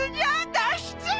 脱出！